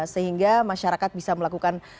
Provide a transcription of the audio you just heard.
sehingga masyarakat bisa melakukan